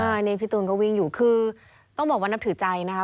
อันนี้พี่ตูนก็วิ่งอยู่คือต้องบอกว่านับถือใจนะคะ